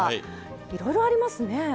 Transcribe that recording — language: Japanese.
いろいろありますね。